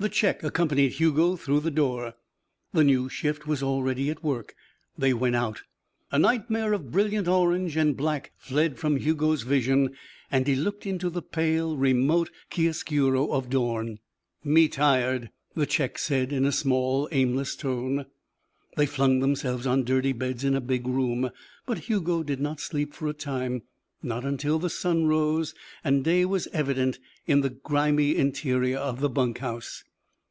The Czech accompanied Hugo through the door. The new shift was already at work. They went out. A nightmare of brilliant orange and black fled from Hugo's vision and he looked into the pale, remote chiaroscuro of dawn. "Me tired," the Czech said in a small, aimless tone. They flung themselves on dirty beds in a big room. But Hugo did not sleep for a time not until the sun rose and day was evident in the grimy interior of the bunk house.